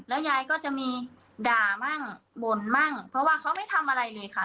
ยายก็จะมีด่ามั่งบ่นมั่งเพราะว่าเขาไม่ทำอะไรเลยค่ะ